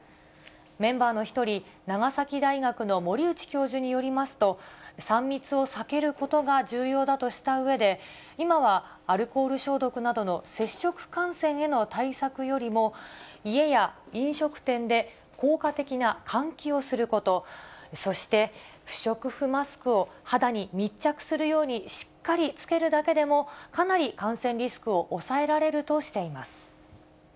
メンバーの一人、長崎大学の森内教授によりますと、３密を避けることが重要だとしたうえで、今はアルコール消毒などの接触感染への対策よりも、家や飲食店で効果的な換気をすること、そして、不織布マスクを肌に密着するようにしっかり着けるだけでも、かなり感染リスクを抑えられるとしています。